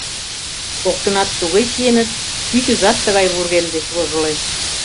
Коктынат туге чиеныт — кӱчызат тыгай вургем деч вожылеш.